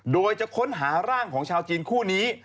โดยจะค้นหาร่างของชาวจีนคู่นี้